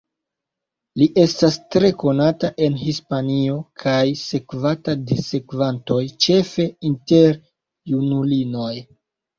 Li estas tre konata en Hispanio kaj sekvata de sekvantoj ĉefe inter junulinoj.